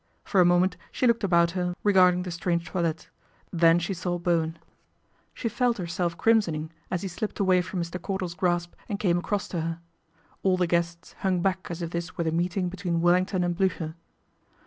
For a moment she looked about her regarding the strange toilettes, then she saw Bowen. She felt herself crimsoning as 196 PATRICIA BRENT, SPINSTER he slipped away from Mr. Cordal's grasp and came across to her. All the guests hung back as if this were the meeting between Wellington and Bliicher.